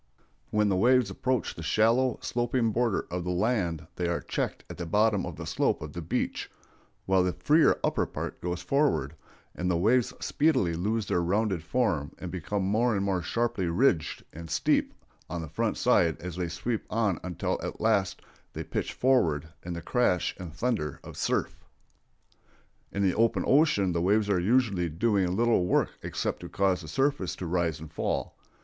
When the waves approach the shallow, sloping border of the land they are checked at the bottom by the slope of the beach, while the freer upper part goes forward, and the waves speedily lose their rounded form and become more and more sharply ridged and steep on the front side as they sweep on until at last they pitch forward in the crash and thunder of surf. In the open ocean the waves are usually doing little work except to cause the surface to rise and fall.